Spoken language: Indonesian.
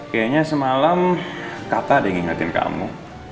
kayaknya semalam kakak ada yang ingatin kamu